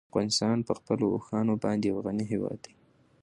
افغانستان په خپلو اوښانو باندې یو غني هېواد دی.